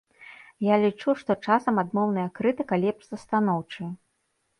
Я лічу, што часам адмоўная крытыка лепш за станоўчую.